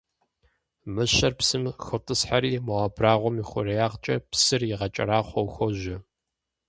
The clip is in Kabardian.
Мыщэр псым хотӀысхьэри, мо абрагъуэм и хъуреягъкӀэ псыр игъэкӀэрахъуэу хуожьэ.